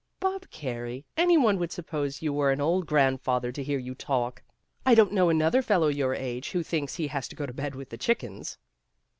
"Bob Carey, any one would suppose you were an old grandfather to hear you talk. I don't know another fellow your age who thinks he has to go to bed with the chickens."